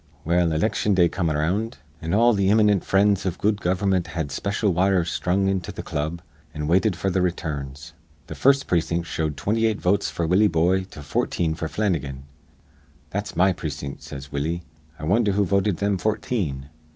"Well, iliction day come around; an' all th' imminent frinds iv good gover'mint had special wires sthrung into th' club, an' waited f'r th' returns. Th' first precin't showed 28 votes f'r Willie Boye to 14 f'r Flannigan. 'That's my precin't,' says Willie. 'I wondher who voted thim fourteen?'